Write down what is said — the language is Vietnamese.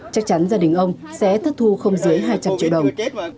chắc chắn gia đình ông sẽ thất thu không dưới hai trăm linh triệu đồng